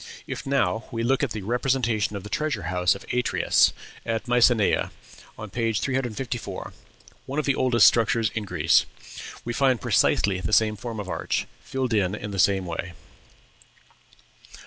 If now we look at the representation of the "Treasure house of Atreus" at Mycenæ, on page 354 one of the oldest structures in Greece we find precisely the same form of arch, filled in in the same way.